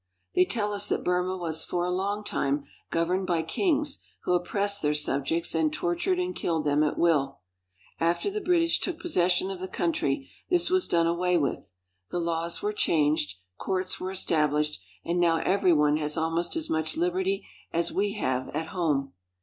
They tell us that Burma was for a long time governed by kings who oppressed their subjects and tor tured and killed them at will. After the British took posses sion of the country, this was done away with. The laws were changed, courts were established, and now every one has almost as much liberty as we have at home.